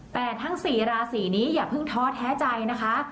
แต่ทั้ง๔ราศีนี้อย่าเพิ่งท้อแท้ใจนะคะ